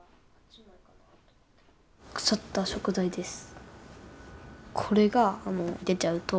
腐った食材です。